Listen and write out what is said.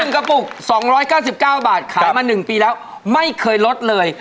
กระปุก๒๙๙บาทขายมา๑ปีแล้วไม่เคยลดเลย